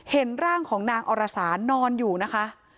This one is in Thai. เห็นร่างของนางอรสานอนอยู่นะคะ